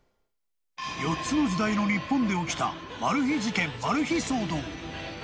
４つの時代の日本で起きたマル秘事件、マル秘騒動。